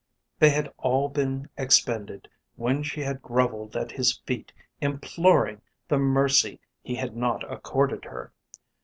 They had all been expended when she had grovelled at his feet imploring the mercy he had not accorded her.